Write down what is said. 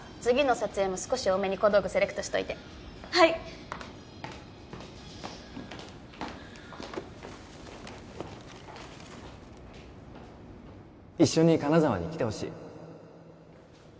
次の撮影も少し多めに小道具セレクトしといてはい一緒に金沢に来てほしい